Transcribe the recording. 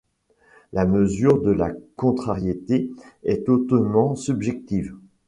La mesure de la contrariété est hautement subjective.